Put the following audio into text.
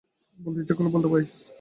বলতে ইচ্ছা করলে বলতে পায়।